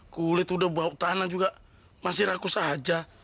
kulit udah bau tanah juga masih rakus aja